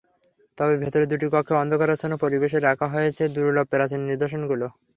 তবে ভেতরে দুটি কক্ষে অন্ধকারাচ্ছন্ন পরিবেশে রাখা হয়েছে দুর্লভ প্রাচীন নিদর্শনগুলো।